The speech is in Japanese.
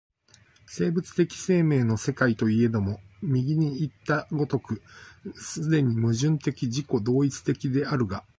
生物的生命の世界といえども、右にいった如く既に矛盾的自己同一的であるが、